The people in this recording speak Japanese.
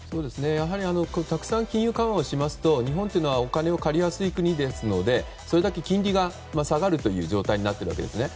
やはりたくさん金融緩和をしますと日本はお金を借りやすい国なのでそれだけ金利が下がる状態になっているわけですね。